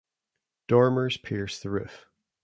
Dormers pierce the roof.